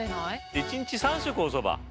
１日３食おそば？